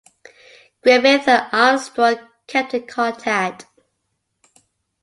Griffith and Armstrong kept in contact.